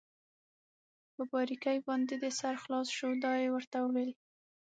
په باریکۍ باندې دې سر خلاص شو؟ دا يې ورته وویل.